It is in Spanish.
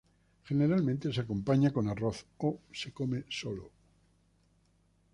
Generalmente se acompaña con arroz, o se come solo.